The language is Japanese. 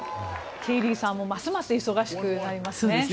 ケイリーさんもますます忙しくなりますね。